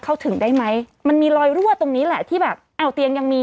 เข้าถึงได้ไหมมันมีรอยรั่วตรงนี้แหละที่แบบเอาเตียงยังมี